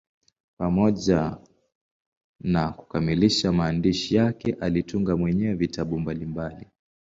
Pamoja na kukamilisha maandishi yake, alitunga mwenyewe vitabu mbalimbali.